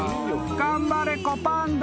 ［頑張れ子パンダ］